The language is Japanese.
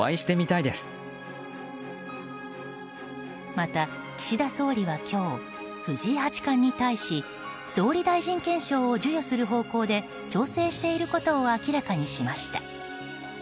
また、岸田総理は今日藤井八冠に対し総理大臣顕彰を授与する方向で調整していることを明らかにしました。